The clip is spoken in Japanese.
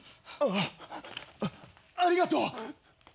ありがとう。